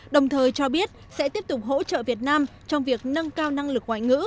đồng thời cho biết sẽ tiếp tục hỗ trợ việt nam trong việc nâng cao năng lực ngoại ngữ